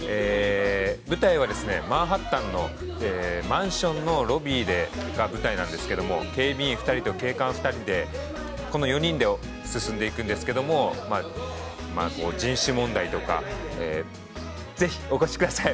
◆マンハッタンのマンションのロビーが舞台なんですけれども、警備員２人と、警官２人で、この４人で進んでいくんですけれども、人種問題とか、ぜひ、お越しください。